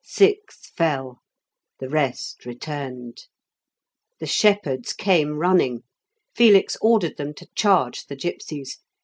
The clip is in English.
Six fell; the rest returned. The shepherds came running; Felix ordered them to charge the gipsies.